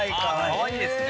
◆かわいいですね。